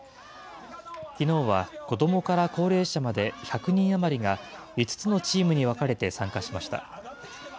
きのうは子どもから高齢者まで１００人余りが５つのチームに分かれて参加しました。